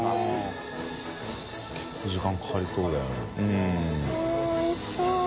うわっおいしそう。